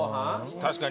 確かに。